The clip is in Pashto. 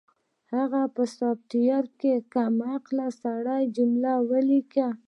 هغه په سافټویر کې د کم عقل سړي جمله ولیکله